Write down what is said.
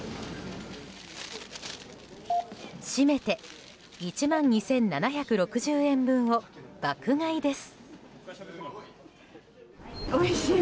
しめて１万２７６０円分を爆買いです。